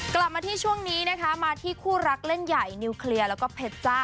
กลับมาที่ช่วงนี้นะคะมาที่คู่รักเล่นใหญ่นิวเคลียร์แล้วก็เพชรจ้า